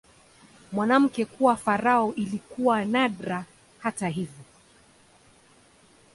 Mwanamke kuwa farao ilikuwa nadra, hata hivyo.